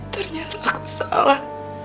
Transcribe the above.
ternyata aku salah